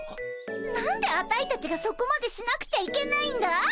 何でアタイたちがそこまでしなくちゃいけないんだい。